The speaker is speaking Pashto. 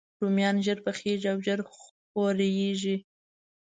رومیان ژر پخیږي او ژر خورېږي